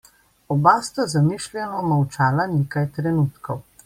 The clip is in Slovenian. Oba sta zamišljeno molčala nekaj trenutkov.